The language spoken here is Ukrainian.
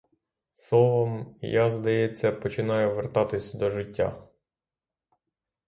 Словом, я, здається, починаю вертатись до життя.